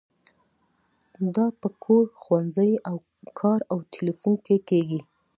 دا په کور، ښوونځي، کار او تیلیفون کې کیږي.